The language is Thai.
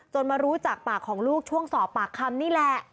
มารู้จากปากของลูกช่วงสอบปากคำนี่แหละ